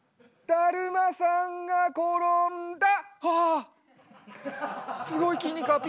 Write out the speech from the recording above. だるまさんが転んだ！